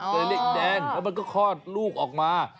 ก็เลยเรียกอีแดงแล้วมันก็คลอดลูกออกมา